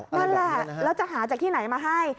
ใช่ค่ะแล้วจะหาจากที่ไหนมาให้